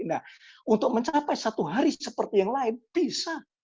nah untuk mencapai satu hari seperti yang lain bisa